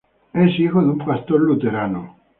Es el hijo de un pastor luterano.